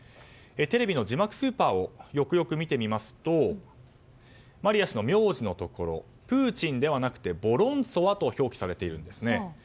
テレビの字幕スーパーをよくよく見てみますとマリア氏の名字のところプーチンではなくボロンツォワと表記されているんですね。